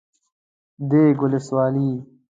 ديک ولسوالي